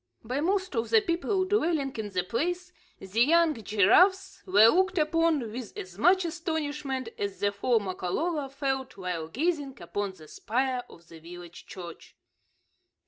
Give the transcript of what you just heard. By most of the people dwelling in the place, the young giraffes were looked upon with as much astonishment as the four Makololo felt while gazing upon the spire of the village church.